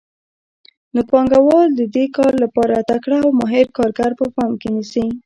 نو پانګوال د دې کار لپاره تکړه او ماهر کارګر په پام کې نیسي